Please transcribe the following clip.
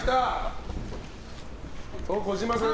児嶋さん